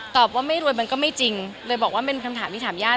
ตอบว่าไม่รวยมันก็ไม่จริงเลยบอกว่าเป็นคำถามที่ถามญาติ